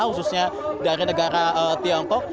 khususnya dari negara tiongkok